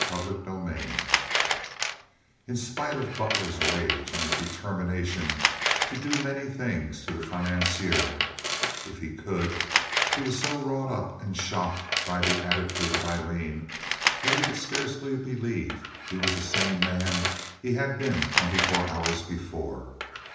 Chapter XXXVII In spite of Butler's rage and his determination to do many things to the financier, if he could, he was so wrought up and shocked by the attitude of Aileen that he could scarcely believe he was the same man he had been twenty four hours before.